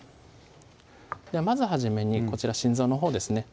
まず初めにこちら心臓のほうですね